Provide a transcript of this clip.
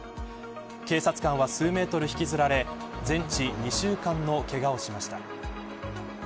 警察官は数メートル引きずられ全治２週間のけがをしました。